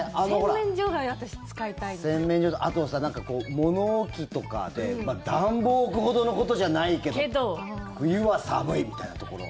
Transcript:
洗面所とあと物置とかで暖房置くほどのことじゃないけど冬は寒いみたいなところ。